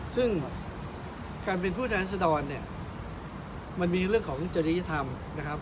ซึ่งการเป็นผู้แทนรัศดรเนี่ยมันมีเรื่องของจริยธรรมนะครับ